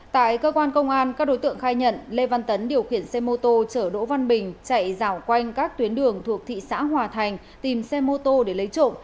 tại cơ quan công an các đối tượng khai nhận lê văn tấn điều khiển xe mô tô chở đỗ văn bình chạy rào quanh các tuyến đường thuộc thị xã hòa thành tìm xe mô tô để lấy trộm